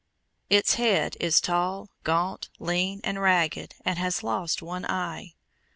Its head is tall, gaunt, lean, and ragged, and has lost one eye.